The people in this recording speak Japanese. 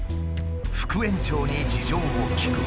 副園長に事情を聞く。